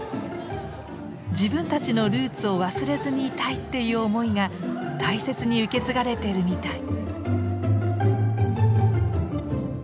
自分たちのルーツを忘れずにいたいっていう思いが大切に受け継がれてるみたい。